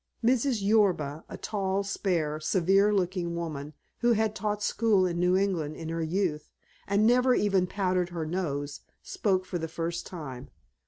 Mrs. Yorba, a tall, spare, severe looking woman, who had taught school in New England in her youth, and never even powdered her nose, spoke for the first time.